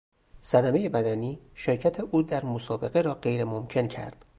صدمهی بدنی شرکت او در مسابقه را غیر ممکن کرد.